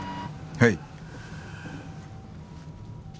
はい。